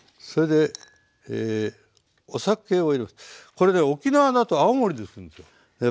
これね沖縄だと泡盛でするんですよ。